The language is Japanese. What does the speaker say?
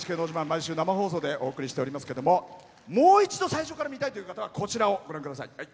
毎週、生放送でお送りしておりますけどももう一度最初から見たいという方はこちらをご覧ください。